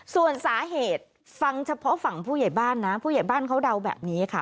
ส่วนสาเหตุฟังเฉพาะฝั่งผู้ใหญ่บ้านนะผู้ใหญ่บ้านเขาเดาแบบนี้ค่ะ